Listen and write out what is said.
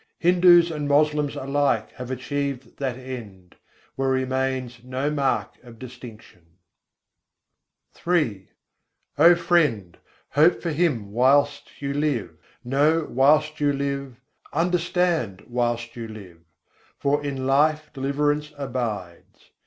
Hindus and Moslems alike have achieved that End, where remains no mark of distinction. III I. 57. sâdho bhâî, jîval hî karo âs'â O friend! hope for Him whilst you live, know whilst you live, understand whilst you live: for in life deliverance abides.